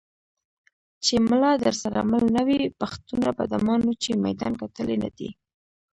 چې ملا درسره مل نه وي پښتونه په ډمانو چا میدان ګټلی نه دی.